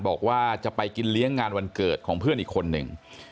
บอกว่าจะไปกินเลี้ยงงานวันเกิดของเพื่อนอีกคนหนึ่ง